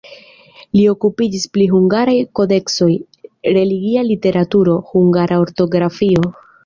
Li okupiĝis pri hungaraj kodeksoj, religia literaturo, hungara ortografio.